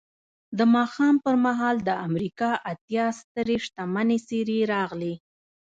د ماښام پر مهال د امریکا اتیا سترې شتمنې څېرې راغلې